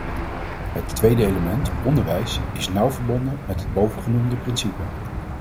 Het tweede element, onderwijs, is nauw verbonden met het bovengenoemde principe.